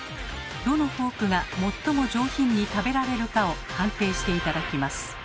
どのフォークが最も上品に食べられるかを判定して頂きます。